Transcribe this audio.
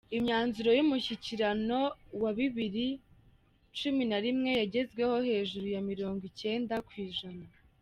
Imyanzuro y’umushyikirano wa bibiri ns cumi narimwe yagezweho hejuru ya mirongwicyenda kwi jana